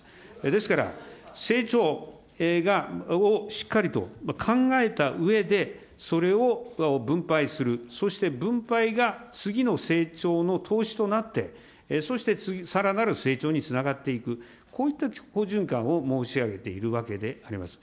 ですから、成長をしっかりと考えたうえで、それを分配する、そして分配が次の成長の投資となって、そしてさらなる成長につながっていく、こういった好循環を申し上げているわけであります。